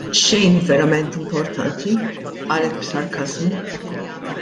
Xejn verament importanti, qalet b'sarkażmu.